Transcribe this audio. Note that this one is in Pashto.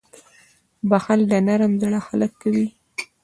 • بښل د نرم زړه خلک کوي.